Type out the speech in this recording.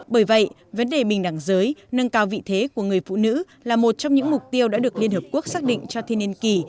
bởi vậy vấn đề bình đẳng giới nâng cao vị thế của người phụ nữ là một trong những mục tiêu đã được liên hợp quốc xác định cho thiên niên kỳ